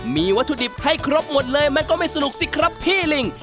มีวัตถุดิบให้ครบหมดเลยมันก็ไม่สนุกสิครับพี่ลิง